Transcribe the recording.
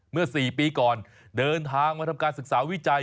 เมื่อ๔ปีก่อนเดินทางมาทำการศึกษาวิจัย